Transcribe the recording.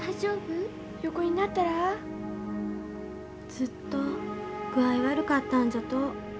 ずっと具合悪かったんじゃと。